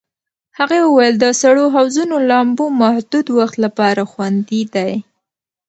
هغې وویل د سړو حوضونو لامبو محدود وخت لپاره خوندي دی.